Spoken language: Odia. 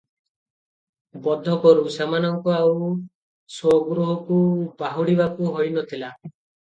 ବୋଧ କରୁଁ, ସେମାନଙ୍କୁ ଆଉ ସ୍ୱଗୃହକୁ ବାହୁଡ଼ିବାକୁ ହୋଇ ନ ଥିଲା ।